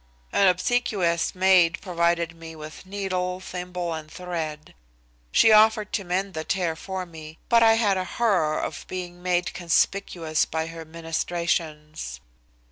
An obsequious maid provided me with needle, thimble and thread. She offered to mend the tear for me, but I had a horror of being made conspicuous by her ministrations.